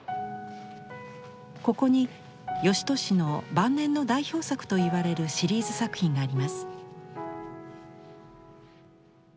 ここに芳年の晩年の代表作と言われるシリーズ作品があります。